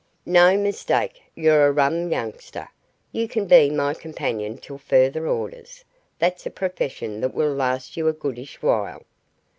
"No mistake, you're a rum youngster. You can be my companion till further orders. That's a profession that will last you a goodish while."